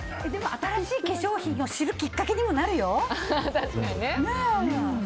新しい化粧品を知るきっかけにもなるよ。